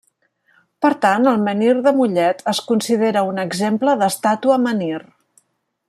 Per tant, el menhir de Mollet es considera un exemple d'estàtua-menhir.